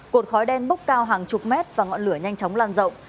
cột khói đen bốc cao hàng chục mét và ngọn lửa nhanh chóng lan rộng